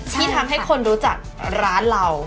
ที่ทำให้คนรู้จักร้านเรา